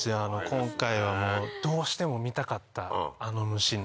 今回はどうしても見たかったあの虫に。